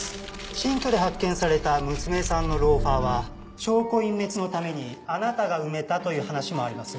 新居で発見された娘さんのローファーは証拠隠滅のためにあなたが埋めたという話もあります。